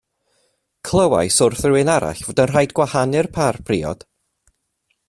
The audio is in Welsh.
Clywais wrth rywun arall fod yn rhaid gwahanu'r pâr priod.